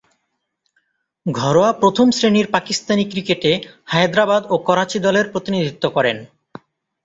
ঘরোয়া প্রথম-শ্রেণীর পাকিস্তানি ক্রিকেটে হায়দ্রাবাদ ও করাচি দলের প্রতিনিধিত্ব করেন।